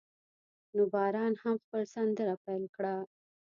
نو باران هم خپل سندره پیل کړه.